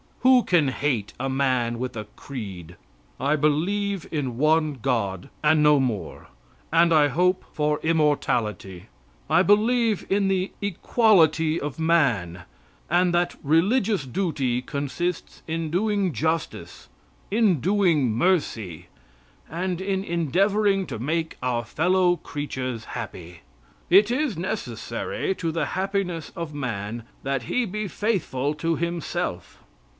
Who can hate a man with a creed: "I believe in one God and no more, and I hope for immortality; I believe in the equality of man, and that religious duty consists in doing justice, in doing mercy, and in endeavoring to make our fellow creatures happy. It is necessary to the happiness of man that he be faithful to himself.